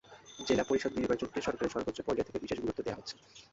জেলা পরিষদ নির্বাচনকে সরকারের সর্বোচ্চ পর্যায় থেকে বিশেষ গুরুত্ব দেওয়া হচ্ছে।